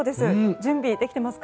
準備できていますか？